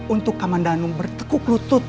untuk kamandano bertekuk lutut